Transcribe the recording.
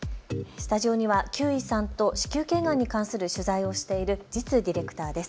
スタジオには休井さんと子宮頸がんに関する取材をしている實ディレクターです。